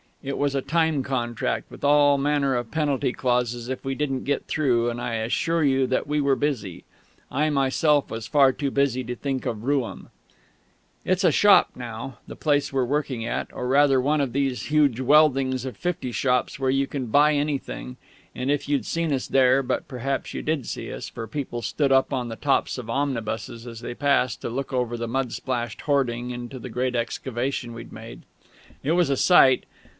It was a time contract, with all manner of penalty clauses if we didn't get through; and I assure you that we were busy. I myself was far too busy to think of Rooum. It's a shop now, the place we were working at, or rather one of these huge weldings of fifty shops where you can buy anything; and if you'd seen us there... but perhaps you did see us, for people stood up on the tops of omnibuses as they passed, to look over the mud splashed hoarding into the great excavation we'd made. It was a sight.